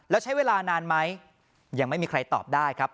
แล้วใช้เวลานานไหมยังไม่มีใครตอบได้ครับ